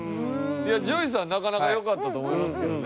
ＪＯＹさんなかなかよかったと思いますけどね。